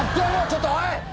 ちょっとおい！